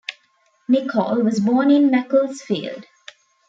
Nicholl was born in Macclesfield.